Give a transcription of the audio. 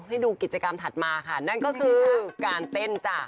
ให้ดูกิจกรรมถัดมาค่ะนั่นก็คือการเต้นจ้ะ